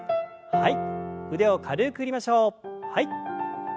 はい。